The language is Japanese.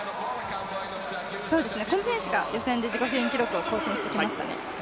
今シーズン、予選で自己記録を更新してきましたね。